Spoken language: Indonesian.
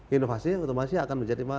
inovasi yang otomasi akan menjadi mana